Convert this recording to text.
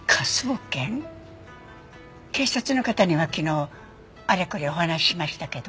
警察の方には昨日あれこれお話ししましたけど。